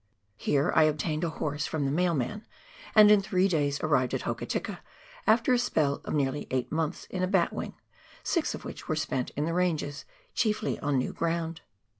Here I obtained a horse from the mail man, and in three days arrived in Hokitika after a spell of nearly eight months in a batwing, six of which were spent in the ranges chiefly on new ground.